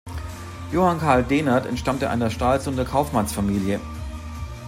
Johann Carl Dähnert entstammte einer Stralsunder Kaufmannsfamilie.